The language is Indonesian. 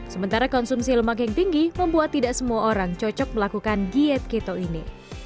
sementara konsumsi lemak yang tinggi membuat tidak semua orang cocok melakukan diet keto ini